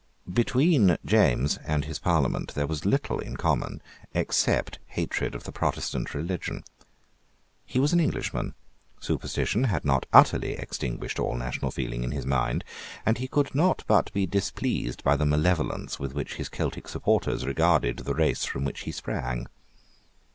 Between James and his parliament there was little in common, except hatred of the Protestant religion. He was an Englishman. Superstition had not utterly extinguished all national feeling in his mind; and he could not but be displeased by the malevolence with which his Celtic supporters regarded the race from which he sprang.